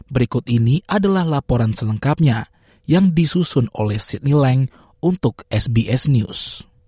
berikut ini adalah laporan selengkapnya yang disusun oleh sydneylank untuk sbs news